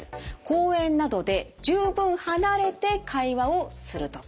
公園などで十分離れて会話をする時。